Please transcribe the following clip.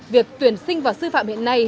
việc tuyển sinh vào sư phạm hiện nay